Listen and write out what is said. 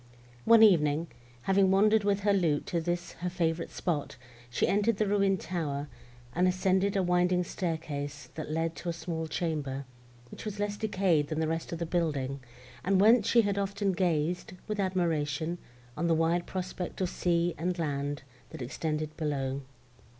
One evening, having wandered with her lute to this her favourite spot, she entered the ruined tower, and ascended a winding staircase, that led to a small chamber, which was less decayed than the rest of the building, and whence she had often gazed, with admiration, on the wide prospect of sea and land, that extended below.